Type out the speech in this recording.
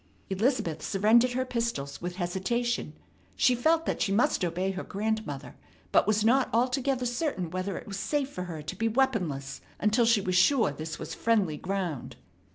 Elizabeth surrendered her pistols with hesitation. She felt that she must obey her grandmother, but was not altogether certain whether it was safe for her to be weaponless until she was sure this was friendly ground.